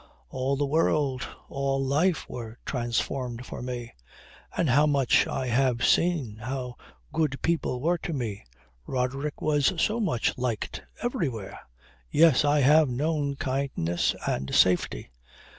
All the world, all life were transformed for me. And how much I have seen! How good people were to me! Roderick was so much liked everywhere. Yes, I have known kindness and safety.